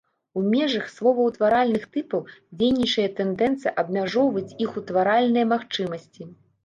У межах словаўтваральных тыпаў дзейнічае тэндэнцыя абмяжоўваць іх утваральныя магчымасці.